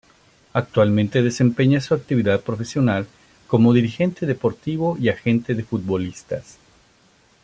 Actualmente desempeña su actividad profesional como dirigente deportivo y agente de futbolistas.